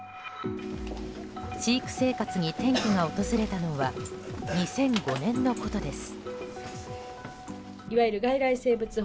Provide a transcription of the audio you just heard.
飼育生活に転機が訪れたのは２００５年のことです。